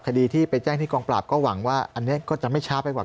คดีที่ไปแจ้งที่กองปราบก็หวังว่าอันนี้ก็จะไม่ช้าไปกว่า